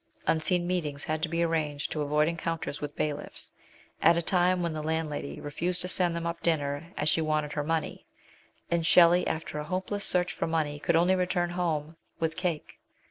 Unseen meetings had to be arranged to avoid encounters with bailiffs, at a time when the landlady refused to send them up dinner, as she wanted her money, and Shelley, after a hopeless search for money, could only return home with cake.